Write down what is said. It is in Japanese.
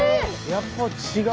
やっぱ違う！